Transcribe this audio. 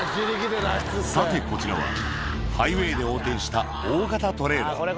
さて、こちらは、ハイウエーで横転した大型トレーラー。